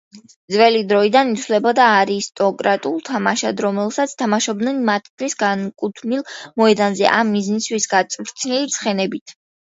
ძველი დროიდან ითვლებოდა არისტოკრატულ თამაშად, რომელსაც თამაშობდნენ მისთვის განკუთვნილ მოედანზე, ამ მიზნისათვის გაწვრთნილი ცხენებით.